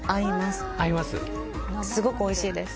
すごくおいしいです。